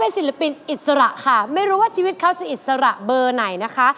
ศิลปินอิสระค่ะไม่รู้ว่าชีวิตเขาจะอิสระเบอร์ไหนนะคะ